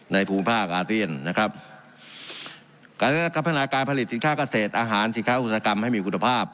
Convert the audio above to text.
ในภูมิภาคอาเตียนนะครับการพันธ์อาการผลิตสินค่ากาเศษอาหารสินค้าอุตสนกรรมให้มีกุฎภาพ